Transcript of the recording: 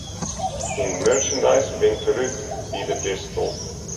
Syn merchandise bringt er út by de Bristol.